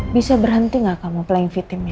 bisa berhenti gak kamu playing fitim ya